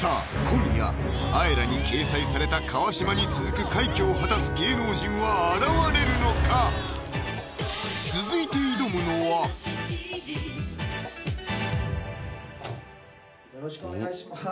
今夜「ＡＥＲＡ」に掲載された川島に続く快挙を果たす芸能人は現れるのか⁉続いて挑むのはよろしくお願いします